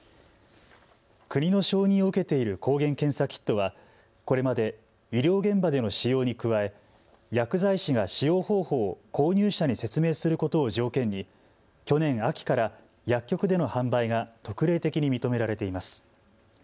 国の承認を受けている抗原検査キットはこれまで医療現場での使用に加え薬剤師が使用方法を購入者に説明することを条件に去年秋から薬局での販売が特例的に認められています。